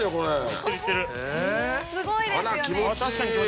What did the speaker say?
すごいですよね。